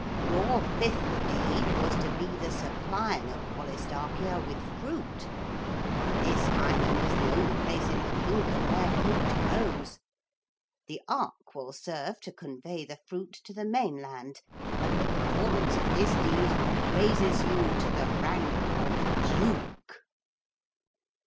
Your fifth deed was to be the supplying of Polistarchia with fruit. This island is the only place in the kingdom where fruit grows. The ark will serve to convey the fruit to the mainland, and the performance of this deed raises you to the rank of Duke.'